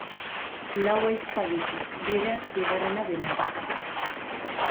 Lau ahizpa ditu, bera bigarrena delarik.